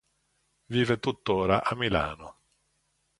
Vive tuttora a Milano.